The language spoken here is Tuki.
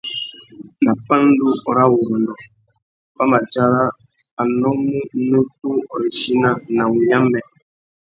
Nà pandúrâwurrôndô, wa mà dzara a nnômú nutu râ ichina na wunyámbê.